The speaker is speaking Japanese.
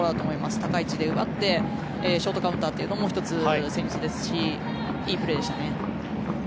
高い位置で奪ってショートカウンターというのも戦術ですしいいプレーでしたね。